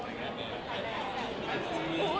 มันนรสกของเรศชนิก